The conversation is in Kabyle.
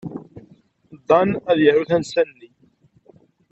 Dan ad yaru tansa-nni.